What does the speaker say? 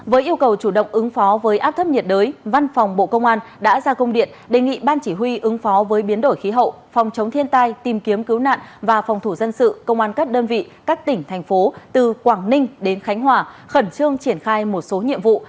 với yêu cầu chủ động ứng phó với áp thấp nhiệt đới văn phòng bộ công an đã ra công điện đề nghị ban chỉ huy ứng phó với biến đổi khí hậu phòng chống thiên tai tìm kiếm cứu nạn và phòng thủ dân sự công an các đơn vị các tỉnh thành phố từ quảng ninh đến khánh hòa khẩn trương triển khai một số nhiệm vụ